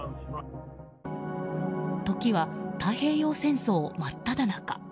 時は太平洋戦争真っただ中。